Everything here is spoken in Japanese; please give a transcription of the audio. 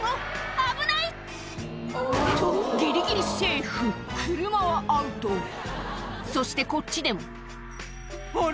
危ない！とギリギリセーフ車はアウトそしてこっちでもあれ？